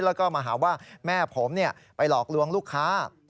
แล้วก็มาหาว่าแม่ผมไปหลอกลวงลูกค้า